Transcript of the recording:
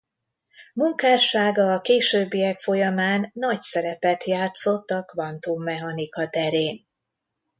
Munkássága a későbbiek folyamán nagy szerepet játszott a kvantummechanika terén.